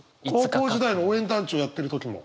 高校時代の応援団長をやってる時も？